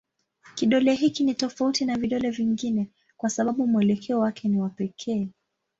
Kidole hiki ni tofauti na vidole vingine kwa sababu mwelekeo wake ni wa pekee.